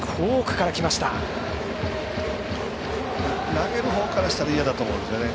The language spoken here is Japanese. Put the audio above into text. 投げるほうからしたら嫌だと思いますね。